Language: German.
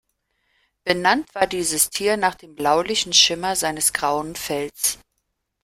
Benannt war dieses Tier nach dem bläulichen Schimmer seines grauen Fells.